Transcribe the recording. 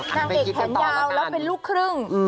นางเอกแผนยาวแล้วเป็นลูกครึ่ง